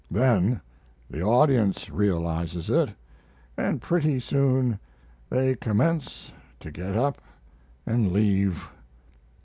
Then the audience realizes it, and pretty soon they commence to get up and leave.